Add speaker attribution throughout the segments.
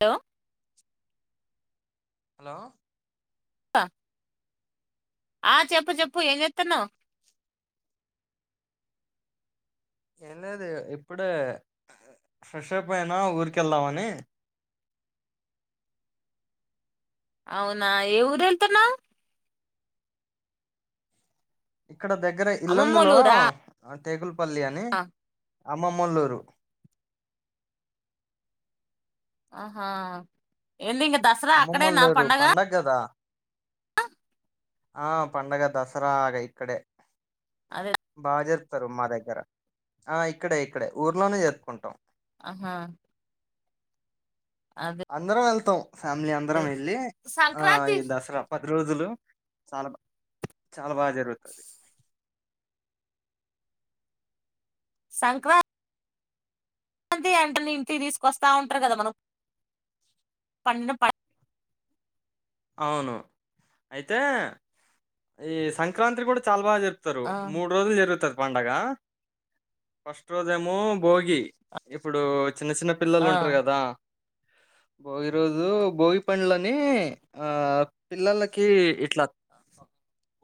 Speaker 1: లో
Speaker 2: హలో
Speaker 1: ఆ చెప్పు చెప్పు ఎం చేస్తన్నావ్
Speaker 2: ఏం లేదు ఇప్పుడే ఫ్రెష్ప్ అయినా ఊరికె వెళ్దామని
Speaker 1: అవునా ఏ ఊరు వెళ్తున్నావ్
Speaker 2: ఇక్కడ దగ్గరే ఇల్లందులో
Speaker 1: అమ్మమ్మోలు ఊరా
Speaker 2: టేకులపల్లి అని అమ్మమల్లూరు
Speaker 1: ఆహా ఎలి
Speaker 2: అమ్మమ్మల్లూరు పండగదా ఆ పండగ దసరాగ ఇక్కడే
Speaker 1: అదే
Speaker 2: బాజర్ వస్తారు మా దగ్గర ఆ ఇక్కడే ఇక్కడే ఊర్లోనే జరుపుకుంటాం
Speaker 1: ఆహా అదే
Speaker 2: అందరం వెళ్ త్త ఫ్యామిలీ అందరం వెళ్ళి ఆ
Speaker 1: సంక్రాంతి
Speaker 2: ఈ దసరా ప పది రోజులు చాలా బా చాలా బాగా జరుగుతది
Speaker 1: సంక్రాం అంతి అంటని ఇంటికి తీసుకొస్తా ఉంటారు కదా మనం పన్ను ప
Speaker 2: అవును అయితే ఈ సంక్రాంతి కూడా చాలా బాగా జరుగు
Speaker 1: ఆ
Speaker 2: మూడు రోజులు జరుగుత పండగ ఫస్ట్ రోజేఏమో భోగి ఇప్పుడు చిన్న చిన్న పిల్లలు
Speaker 1: ఆ
Speaker 2: ఉంటరు కదా భోగి రోజు భోగి పండ్లని ఆ పిల్లలకి ఇట్లా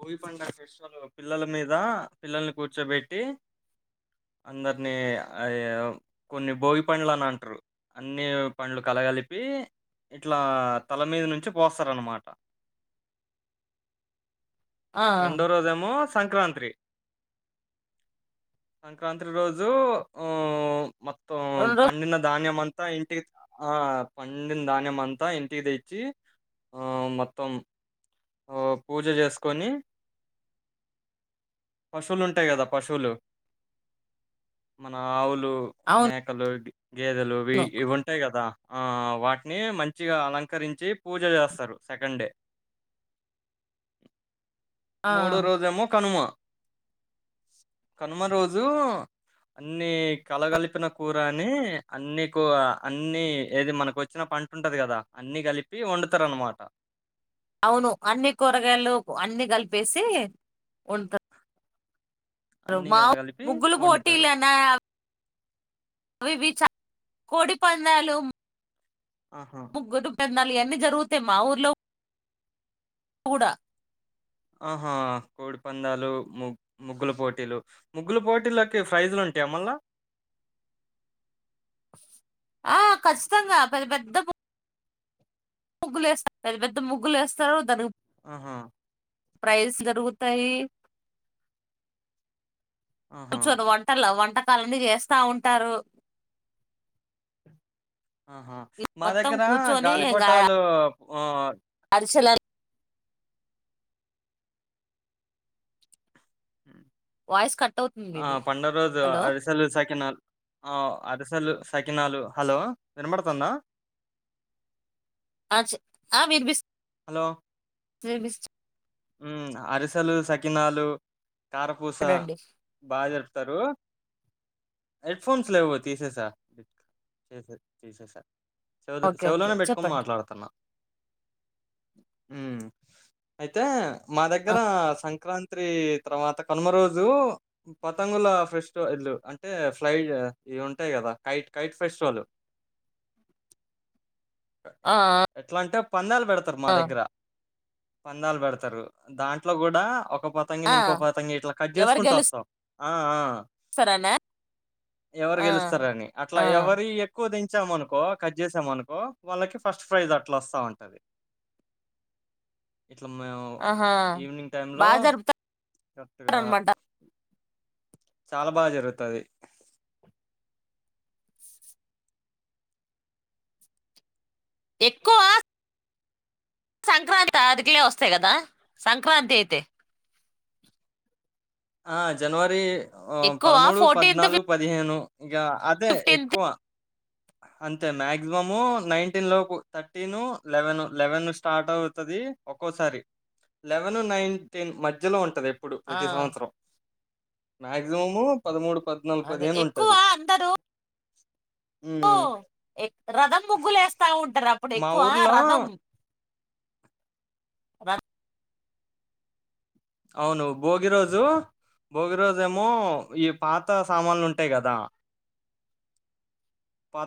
Speaker 2: భోగి పండుగ విషలు పిల్లల మీద పిల్లల్ని కూర్చోబెట్టి, అందరినీ ఆ కొన్ని భోగి పండ్లు అని అంటరు అన్ని పండ్లు కలగలిపి, ఇట్లా తల మీద నుంచి కో పోసర్ అనమాట
Speaker 1: ఆ
Speaker 2: రెండో రోజెమో సంక్రాంత్రీ సంక్రాంత్రి రోజుఊ మొత్
Speaker 1: రెండు రోజు
Speaker 2: పండిన ధాన్యం అం అంత ఇంటికి ఆ పండిన ధాన్యమంతా ఇంటికి తెచ్చి ఆ మొత్తం ఆ పూజ చేసుకుని, పశువులు ఉంటాయి కదా పశువులు మన ఆవులు లు
Speaker 1: అవును
Speaker 2: మేకలు గేదెలు ఇ ఇవి ఉంటాయి కదా ఆ వాటిని మంచిగా అలంకరించి పూజ చేస్తారు సెకండ్ డే
Speaker 1: ఆ
Speaker 2: మూడో రోజేమో కనుమ కనుమ రోజు అన్ని కలగలిపిన కూరని అన్ని కూ అన్ని ఏది మనకు వచ్చిన పంటుంటది కదా అన్ని కలిపి పి వండుతారన్నమాట
Speaker 1: అవును అన్ని కూరగాయలు అన్ని కలిపేసి ఉంట
Speaker 2: అన్నీ
Speaker 1: మా
Speaker 2: గలగలిపి
Speaker 1: ముగ్గుల
Speaker 2: వండుతారు.
Speaker 1: పోటీలనా అవి చ కోడిపందాలూ
Speaker 2: ఆహా!
Speaker 1: ముగ్గు [unintelligible] ళవన్నీ జరుగుతయ్ మా ఊర్లో కూడా
Speaker 2: ఆహా కోడిపందాలు ముగ్ ముగ్గుల పోటీలు ముగ్గుల పోటీలకి ప్రైజలు ఉంటాయ మల్ల
Speaker 1: ఆ ఖచ్చితంగా పెద పెద్ద ముగ్గులు వేస్తారు పెద పెద్ద ముగ్గులు వేస్తారు దానికి
Speaker 2: ఆహా
Speaker 1: ప్రైజ్ జరుగుతాయి
Speaker 2: ఆహా!
Speaker 1: [unintelligible] వంట ళని చేస్తా ఉంటారు
Speaker 2: ఆహా మా
Speaker 1: మొత్తం
Speaker 2: దగ్గర
Speaker 1: కూర్చొని ఇంకా
Speaker 2: గాలిపటాలు ఆ
Speaker 1: అరిచెల వాయిస్ కట్ అవుతుంది
Speaker 2: ఆ
Speaker 1: ఇది
Speaker 2: పండగా రోజు
Speaker 1: హలో
Speaker 2: అరిసెలు సకినాాలు ఆ అరిసెలు సకినాలు హలో వినపడుతుందా
Speaker 1: అ చేప్ ఆ వినిపిస్త్ [unintelligible]
Speaker 2: ఉ అరిసెలు సకినాలు కారపూస
Speaker 1: వినిపిస్తుందండి
Speaker 2: బాజర్ స్తారు హెడ్ ఫోన్స్ లేవు తీసేసా తీసేసా చెవులో
Speaker 1: ఓకే ఓకే
Speaker 2: చెవులోనే పెట్టుకోనీ
Speaker 1: చెప్పండి
Speaker 2: మాట్లాడుతున్నా ఉ అయి తే మా
Speaker 1: ఆ,
Speaker 2: దగ్గర సం సంక్రాంతి తర్వాత కనుమ రోజు పతంగుల ఫెస్టివల్ ఇల్లు అంటే ఫ్లై ఇవి ఉంటాయి కదా కైట్ కైట్ ఫెస్టివల్
Speaker 1: ఆ,
Speaker 2: ఎట్లా అంటే పందాలు పెడతారు మా
Speaker 1: ఆ,
Speaker 2: దగ్గర పందాలు పెడతారు దాంట్లో కూడా ఒక ఇంకో పతంగిని
Speaker 1: ఆ,
Speaker 2: ఇంకో పతంగి ఇట్లా కట్
Speaker 1: ఎవరు
Speaker 2: చేసుకుంటూ వస్తాం ఆ ఆ
Speaker 1: గెలుస్తారనా
Speaker 2: ఎవరు
Speaker 1: ఆ,
Speaker 2: గెలుస్తారని అట్లా
Speaker 1: ఆ,
Speaker 2: ఎవరి ఎక్కువ తే ఇచ్చామనుకో కట్ చేసామనుకో వాళ్ళకి ఫస్ట్ ప్రైజ్ అట్లా వస్తా ఉంటది ఇట్లా మేము
Speaker 1: ఆహా
Speaker 2: ఈవినింగ్ టైంలో
Speaker 1: బాగా
Speaker 2: కట్గా
Speaker 1: జరుపుతారనమాట
Speaker 2: చాలా బాగా జరుగుతుది.
Speaker 1: ఎక్కువ సంక్రాంతి అదికులే వస్తాయి. కదా సంక్రాంతి అయితే
Speaker 2: ఆ జనవరి
Speaker 1: ఎక్కువ
Speaker 2: పదమూడు,
Speaker 1: ఫోర్టీన్త్
Speaker 2: పద్నాలుగు, పదిహేను ఇంకా అదే
Speaker 1: ఫిఫ్టీన్త్
Speaker 2: ఎక్కువ అంతే మాక్సిమము నైన్టీన్ లోపు థర్టీన్ లెవెన్ లెవెన్ స్టార్ట్ అవుతుది. ఒక్కోసారి లెవెన్ నైన్టీన్ మధ్యలో ఉంటది ఇప్పుడు
Speaker 1: ఆ
Speaker 2: ప్రతి సంవత్సరం మాక్సిమము పదిమూడు
Speaker 1: అదే ఎక్కువ అందరూ ఓ
Speaker 2: హ్మ్.
Speaker 1: రథం ముగ్గులే వేస్తా ఉంటారు. అప్పుడు
Speaker 2: మా
Speaker 1: ఎక్కువ
Speaker 2: ఊర్లో
Speaker 1: రథం అ
Speaker 2: అవును భోగి రోజు భోగి రోజుమో ఈ పాత సామాన్లు ఉంటాయి కదా.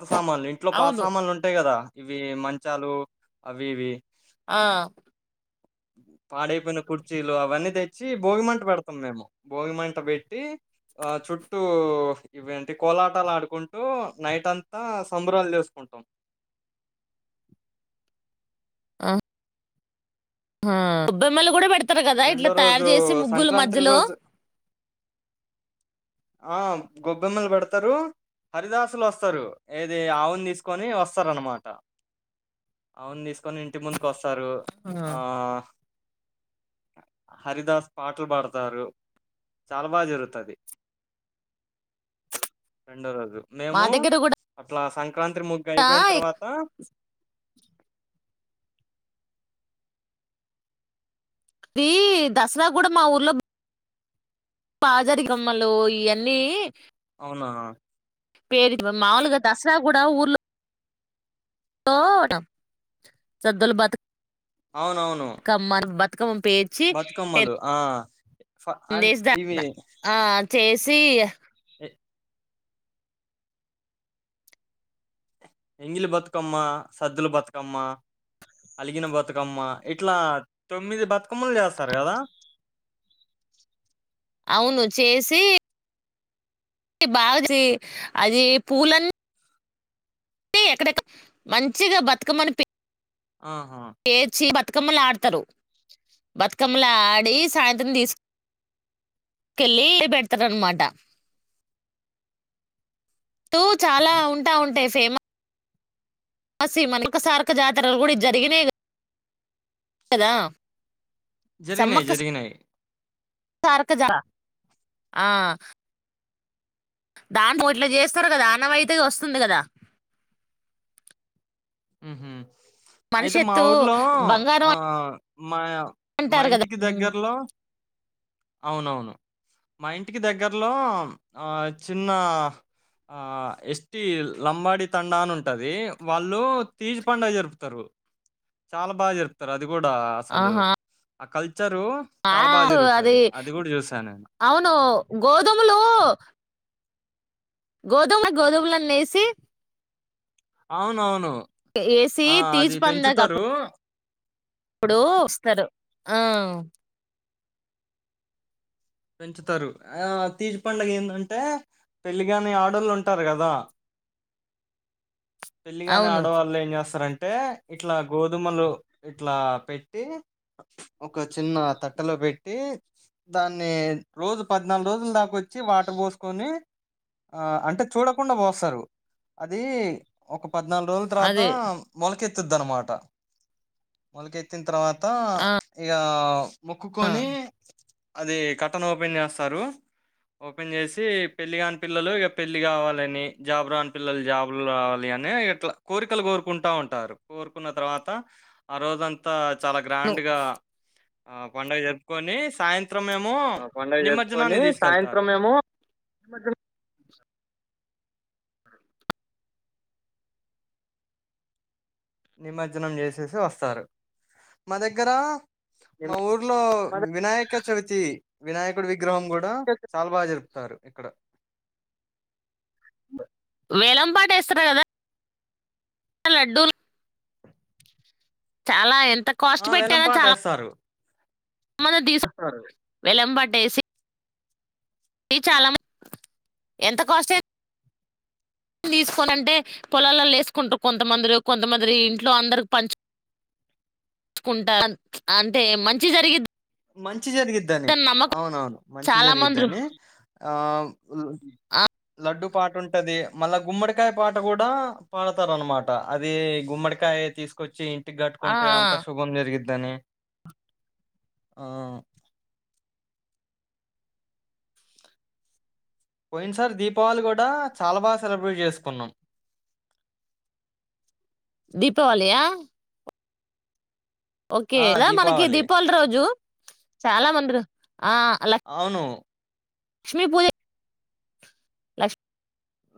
Speaker 2: పాత సామాన్లు ఇంట్లో పాత
Speaker 1: అవును
Speaker 2: సామాన్లు ఉంటాయి కదా. ఇవి మంచాలు అవి ఇవి
Speaker 1: ఆ
Speaker 2: [inaudible] పాడైపోయిన కుర్చీలు అవన్నీ త వచ్చి భోగిమంట పెడతాం. మేము భోగిమంట పెట్టి ఆ చుట్టూ ఇవంటి కోలాటాలు ఆడుకుంటూ నైట్ అంతా సంబరాలు చేసుకుంటాం.
Speaker 1: గిబ్బేమ్మలు కూడా పెడత వస్తారు. కదా
Speaker 2: రెండో
Speaker 1: ఇట్లా తయారు
Speaker 2: రోజు
Speaker 1: చేసి ముగ్గులు
Speaker 2: సంక్రాంతి
Speaker 1: మధ్యలో
Speaker 2: రోజు ఆ గొబ్బెమ్మలు పెడతారు హరిదాసులు వస్తారు. ఏది ఆవును తీసుకొని వస్తారు అనమాట. ఆవును తీసుకొని ఇంటి ముందుకు వస్తారు. సారు ఆ హరిదాస్ పాటలు పాడతారు, చాలా బాగా జరుగుతుంది. రండరా
Speaker 1: మా
Speaker 2: మేము
Speaker 1: దగ్గర కూడా
Speaker 2: అట్లా సం సంక్రాంతి ముగ్గు అయిపోయిన తర్వాత
Speaker 1: అది దసరా కూడా మా ఊర్లో పాజరికమ్మలు ఇవన్నీ
Speaker 2: అవునా
Speaker 1: పేరు మాముూలుగా దసరా కూడా ఊర్లో సదులు బతుక
Speaker 2: అవునవును
Speaker 1: ఉకమం
Speaker 2: బతుకమ్మలు ఆ ఫ అం
Speaker 1: డేస్
Speaker 2: ఇవి
Speaker 1: చేసి
Speaker 2: ఎ ఎంగిలి బతుకమ్మ సద్దుల బతుకమ్మ అలిగిన బతుకమ్మ ఇట్లా తొమ్మిది బతుకమ్మలు చేస్తారు కదా
Speaker 1: అవును చేసి బాగా చీ అది పూలన్ ఇ ఎక్కడెక్క మంచిగా బతుకమ్మని పే
Speaker 2: ఆహా
Speaker 1: పేర్చి బతుకమ్మలాడుతరు బతుకమ్మల ఆడి సాయంత్రం తీసుకెళ్ళి పెడతరు అనమాట టూ చాలా ఉంటా ఉంటాయ్ ఫేమ మసి మనొకసారక్క జాతరలు కూడా జరిగిన కదా
Speaker 2: జరిగినాయ్ జరిగినాయ్
Speaker 1: సారక్క జ ఆ దాన్ని పో ఇట్ల చేస్తారు కదా ఆనవాయితిగొస్తుంది కదా
Speaker 2: ఉహూ అయితే మా ఊర్లో
Speaker 1: బంగారం
Speaker 2: ఆ మయా మా
Speaker 1: అంటారు గదా!
Speaker 2: ఇంటికి
Speaker 1: హ్మ్.
Speaker 2: దగ్గర్లో అవునవును మా ఇంటికి దగ్గరలో ఆ చిన్న ఆ ఎస్టి లంబాడి తండా అని ఉంటది వాళ్ళు తీజు పండుగ జరుపుతారు చాలా బాగా జరుపుతారు అ అది కూడా అసలు
Speaker 1: ఆహా!
Speaker 2: ఆ కల్ చరు
Speaker 1: ఆ!
Speaker 2: చాలా బాగా
Speaker 1: అది
Speaker 2: జరుగుతాది
Speaker 1: అవును గోధుములు గోధుమ గోధుమలన్నేసి
Speaker 2: అవునవును
Speaker 1: ఏసి
Speaker 2: ఆ అది
Speaker 1: తీచి
Speaker 2: పెంచుతారు
Speaker 1: పందాగప్పుడు ఇప్పుడు వస్తరు ఆ
Speaker 2: పెంచుతారు ఆ తీజి పండుగ ఏందంటే పెళ్లి కాని ఆడోళ్ళు ఉంటారు కదా పెళ్లిగాని
Speaker 1: అవును
Speaker 2: ఆడవాళ్ళు ఏం చేస్తారంటే అంటే ఇట్లా గోధుమలు ఇట్లా పెట్టి ఒక చిన్న తట్టెలో పెట్టి దాన్ని రోజు పద్నాలుగు రోజుల దాకొచ్చి వాట పోసుకొని ఆ అంటే చూడకుండా పోస్తారు అది ఒక పద్నాలుగు రోజుల తర్వాత
Speaker 1: అదే
Speaker 2: మొలకెత్ ఎత్తిద్దనమాట మొలకెత్తిన తర్వా తా
Speaker 1: ఆ
Speaker 2: ఇగ
Speaker 1: ఆ
Speaker 2: మొక్కుకొని అది కట్టన్ ఓపెన్ చేస్తారు ఓపెన్ చేసి పెళ్ళి కానిపిల్లలు ఇక పెళ్ళి కావాలిని జాబ్ రాని పిల్లలు జాబుల్ రావాలి అని నే ఇట్ల కోరికలు కోరుకుంటా ఉంటారు కోరుకున్న తర్వాత ఆ రోజంతా చాలా
Speaker 1: ను
Speaker 2: గ్రాండ్ గా ఆ పండుగ జరుపుకొని సాయిన్
Speaker 1: పండుగ జరుపుకొని
Speaker 2: తీసుకెళ్తారు
Speaker 1: సాయంత్రం మేమో
Speaker 2: నిమజ్జనం చేసేసి వస్తారు మా దగ్గర మా ఊర్లో వినాయక చవితి వినాయకుడు విగ్ గ్రహం కూడా చాలా బాగా జరుప్ స్తారు ఇక్కడ
Speaker 1: వేలం పాటేస్తారు కదా లడ్డూలు చాలా ఏ ల్ అంత కాస్ట్
Speaker 2: ఆ వేలం
Speaker 1: పెట్టారా
Speaker 2: పాట
Speaker 1: చాలా
Speaker 2: వేస్తారు
Speaker 1: మల తీసు కుంటారు వేలం పాటేసి ది చాలా మం ఎంత కాస్ట్ే తీసుకోనింటే పొలాాలలో వేసుకుంటారు కొంతమందిర కొంతమంది ఇంట్లో అందరికి పంచు పంచుకుంటారు అంటే మంచి జరిగిది
Speaker 2: మం న్ మంచి జరిగద్ది అని అవునవును మంచి
Speaker 1: చాలా మంది
Speaker 2: జరిగద్దని ఆ
Speaker 1: ఆ
Speaker 2: లడ్డుూ పాట ఉంటది మళ్ళా గుమ్మడికాయ పాట కూడా పాడతారునమాట అది గుమ్మడికాయ తీసుకొచ్చి టి
Speaker 1: ఆ
Speaker 2: గట్టుకుంటే అంత శుభం జరుగిది ద్దనే ఆ ఆ పోయిన సార్ దీపావళి కూడా చాలా బాగా సెలబ్రేట్ చేసుకున్నాం
Speaker 1: దీపావళి యా ఓకే కదా మనకి దీపావళి రోజు చాలా మంద్రు ఆ అలా
Speaker 2: అవును
Speaker 1: క్ష్మీ పూజ లష్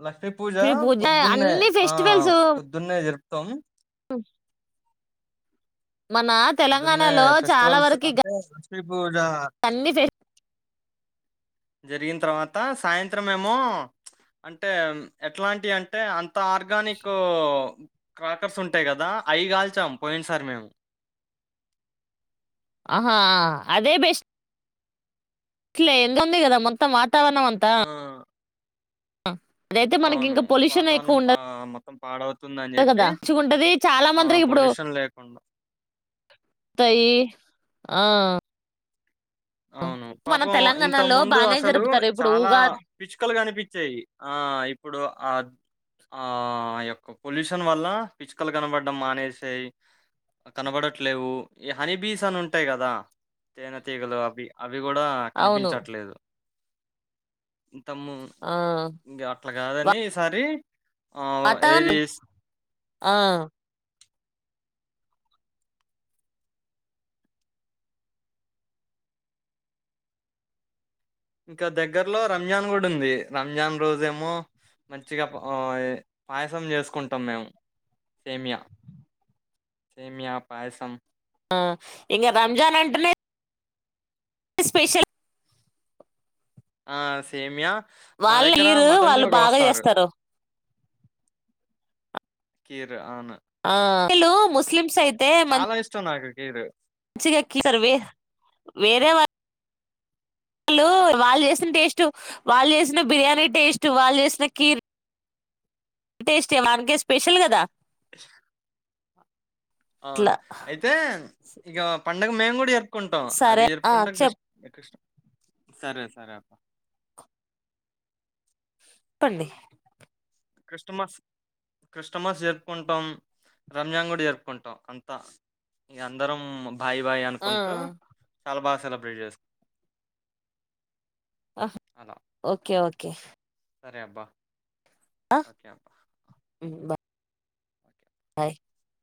Speaker 2: లక్ష్మీ పూజ పొద్దున్నే ఆ
Speaker 1: ఫెస్టివల్స్
Speaker 2: పొద్దున్నే జరుప్ తం
Speaker 1: అ మన
Speaker 2: పొద్దున్నే
Speaker 1: తెలంగాణలో చాలా వరకి ఇగ
Speaker 2: కూడా జరిగిన తర్వాత సాయంత్రం మేము అంటే ఎట్లాంటి అంటే అంత ఆర్గానిక్ క్రాకర్స్ ఉంటాయి కదా అవి కాల్చాము పోయిన సారి మేము
Speaker 1: ఆహా అదే బెస్ ఇట్లే ఎందు ఉంది కదా మొత్తం ఉత్తావనా అంతా
Speaker 2: ఆ,
Speaker 1: అదైతే మనకి
Speaker 2: అవును
Speaker 1: ఇంకా
Speaker 2: వాతావరణం పా మొ పాడవ్
Speaker 1: అదే కదా మంచిగ ఉంటుంది చాలా మందికి ఇప్పుడు
Speaker 2: పొల్యూషన్ లేకుండా
Speaker 1: తయి ఆ
Speaker 2: అవును
Speaker 1: మన
Speaker 2: పాపం ఇంత
Speaker 1: తెలంగాణలో
Speaker 2: ముందు
Speaker 1: బాగానే
Speaker 2: అసలు
Speaker 1: జరుపుతారు ఇప్పుడు
Speaker 2: చాలా
Speaker 1: ఉగాది
Speaker 2: పిచ్చుకలుగా అనిపించాయి ఆ ఇప్పుడు ఆ ఆ యొక్క పొల్యూషన్ వల్ల పిచ్చుకలు కనబడడం మానేసేయి కనబడట్లేవు ఈ హనీ బీస్ అని ఉంటాయి కదా తేనెతగలు బి అవి అవి కూడా
Speaker 1: అవును
Speaker 2: కనిపించట్లేదు తమ్ము
Speaker 1: ఆ
Speaker 2: ఇంకా అట్లా కాదని ఈసారి ఆ ఏది
Speaker 1: వాతావరణం ఆ
Speaker 2: ఇంకా దగ్గరలో రంజాన్ కూడా ఉంది రంజాన్ రోజేమో మంచిగా పాయసం చేసుకుంటాం మేము సేమియా సేమియా పాయసం
Speaker 1: ఆ ఇంగ రంజాన్ అంటనే స్పెషల్
Speaker 2: ఆ సేమ్యా
Speaker 1: వాళ్ళు మీరు వాళ్ళు బాగా చేస్తారు
Speaker 2: కీర్ అను
Speaker 1: హలో ముస్లిమ్స్ అయి
Speaker 2: చాలా ఇష్టం నాకు ఇడు
Speaker 1: మంచిగా ఎకి సర్ వే వేరే వా వాళ్ళు వాళ్ళు చేసిన టేస్ట్ వాళ్ళు చేసిన బిర్యానీ టేస్ట్ వాళ్ళు చేసిన కీర్ టేస్ట్ వానికే స్పెషల్ కదా
Speaker 2: అవును
Speaker 1: అట్లా
Speaker 2: అయితే ఇగ ప పండగ మేము కూడా జ చెప్పుకుంటాం అది
Speaker 1: సరే ఆ
Speaker 2: జరుపుకుంటాం క్రిష్ క్రిష్ సరే సరే అప్ప
Speaker 1: పండి
Speaker 2: క్రిస్టమస్ క్రిస్టమస్ జరుపుకుంటాం రంజాన్ కూడా జరుపుకుంటాం అంతా ఈ అందరం బాయ్ బాయ్
Speaker 1: ఆ
Speaker 2: అనుకుంటూ చాలా బాగా సే [unintelligible]
Speaker 1: హా ఓకే ఓకే ఓకే
Speaker 2: సరే అబ్బా
Speaker 1: ఆ
Speaker 2: ఓకే అబ్బా
Speaker 1: హు బా
Speaker 2: ఓకే.
Speaker 1: [inaudible]